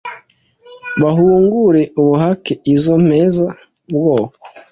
Bahungure ubuhake Izo mpeza-bwoko,